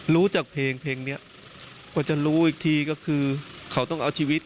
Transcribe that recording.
รู้จักเพลงเพลงนี้กว่าจะรู้อีกทีก็คือเขาต้องเอาชีวิต